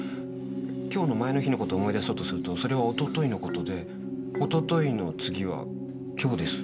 今日の前の日の事を思い出そうとするとそれはおとといの事でおとといの次は今日です。